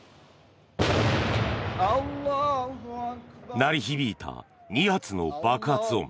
鳴り響いた２発の爆発音。